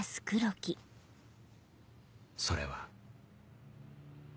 それは。